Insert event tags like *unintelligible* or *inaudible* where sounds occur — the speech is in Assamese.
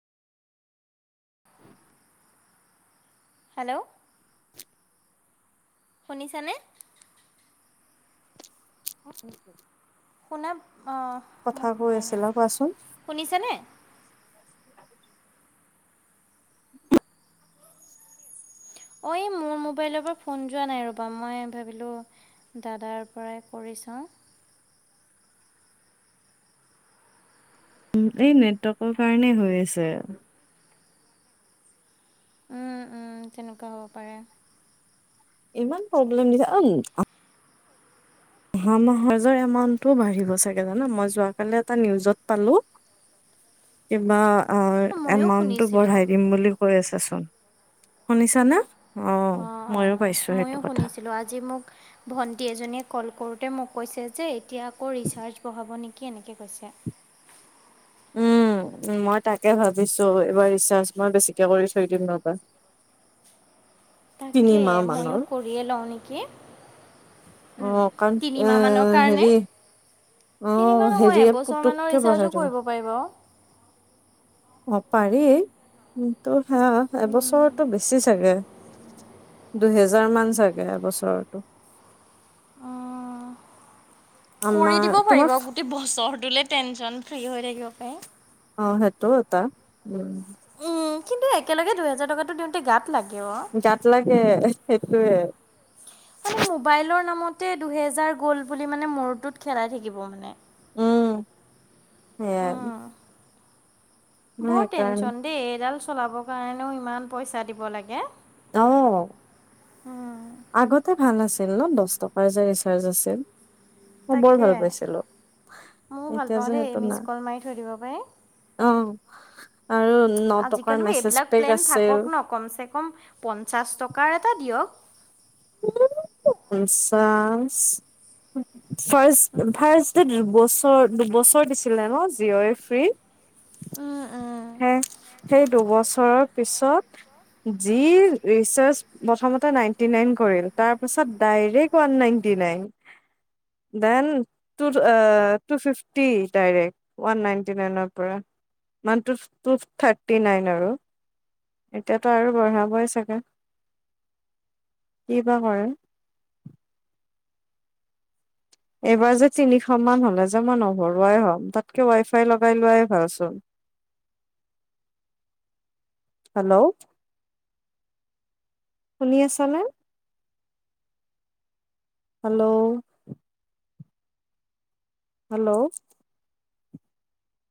অ *unintelligible* হেল্ল'? শুনিছানে? অ। শুনা অঁ মোক কৈ শুনাই নাই, আছিলা কোৱাচোন? শুনিছেনে? অ এই মোৰ মোবাইলৰ পৰা ফোন যোৱা নাই ৰ'বা, মই ভাবিলোঁ। দাদাৰ পৰাই কৰি চাওঁ। উম এই নেটৱৰ্কৰ কাৰণে হৈ আছে। উম উম তেনেকুৱা হ'ব পাৰে। ইমান প্ৰব্লেম দিচে আমম। অহা মাহাজৰ এমাউণ্টটো বাঢ়িব চাগে জানা মই যোৱ কালি এটা নিউজত পালোঁ। কিবা অ অঁ ময়ো এমাউন্টো শুনিছিলোঁ। বঢ়াই দিম বুলি। হৈ আছে চব শুনিছা নে। অ অ ময়ো শুনিছিলোঁ আজি মোক। ভণ্টি এজনীয়ে কল কৰোঁতে মোক কৈছে যে এতিয়া আকৌ ৰিচাৰ্জ বঢ়াব নেকি এনেকৈ কৈছে। উম মই তাকে ভাবিছো এইবাৰ ৰিচাৰ্জ মই বেছিকে কৰি থৈ দিম ৰ'বা। তিনি তাকে মাহ মানৰ মইয়ো কৰিয়ে লওঁ নেকি। অ কাৰণ আ তিনিমাহমানৰ কাৰণে। হেৰি। অ হেৰিয়ে পুতুককে ব। সিয়ো কৰিব পাৰিব। অ পাৰি কিন্ত হেয়া উম এবছৰটো বেছি বেছি চাগে, দুহেজাৰ মান চাগে এবছৰটো। অহ কৰি আমাৰ দিব পাৰি তোমাৰ বাও গো তেই বছৰটোলে টেনশচন ফ্ৰী হৈ থাকিব পাৰে। অ' সেইটো এটা। উম উম কিন্তু একেলগে দুহেজাৰ টকাটো দিওঁতে গাত লাগে অ'। গাত লাগে সেইটোৱে। মানে মোবাইলৰ নামতে দুহেজাৰ গ'ল বুলি মানে মোৰটোত খেলাই থাকিব মানে। উম সেইয়াই। বৰ সেইকাৰণে টেনচন দেই এইডাল চলাবৰ কাৰণেও ইমান পইচা দিব লাগে। অঁ। আগতে ভাল আছিল ন, দছ টকাৰ যে ৰিচাৰ্জ আছিল। মই বৰ তাকে ভাল পাইছিলো, ময়ো ভাল এতিয়া পাওঁ যে দেই সেইটো মিছ নাই। কল মাৰি থৈ দিব পাৰি। অঁ আৰু ন টকাৰ আজিকালিও মেছেজ এইবিলাক পেক প্লেন থাকক আছিল। ন কমচে কম পঞ্চাছ টকাৰ এটা দিয়ক। উম পঞ্চাছ ফাৰ্ষ্ট ফাৰ্ষ্ট তে দুবছৰ দুবছৰ দিছিলে ন জিঅ'ই ফ্ৰী? উম উম। হে সেই দুবছৰৰ পিছত যি ৰিচাৰ্জ প্ৰথমতে নাইনটি নাইন কৰিল, তাৰপিছত direct one ninety nine. Then two অ two fifty direct one ninety নাইনৰ পৰা, মান টু টু থাৰ্টি নাইন আৰু, এতিয়াতো আৰু বঢ়াবই চাগে? কি বা কৰে? এইবাৰ যে তিনিশ মান হ'লে যে মই নভৰুৱাই হ'ম, তাতকে ৱাই ফাই লগাই লোৱাই ভালচোন। *inaudible* হেল্ল? শুনি আছা নে? হেল্ল'। হেল্ল'।